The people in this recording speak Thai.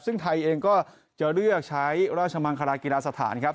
ซึ่งไทยเองก็จะเลือกใช้ราชมังคลากีฬาสถานครับ